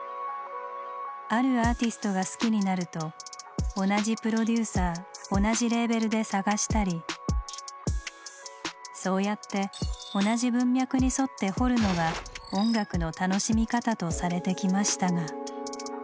あるアーティストが好きになると同じプロデューサー同じレーベルで探したりそうやって同じ「文脈」に沿って「掘る」のが音楽の楽しみ方とされてきましたが。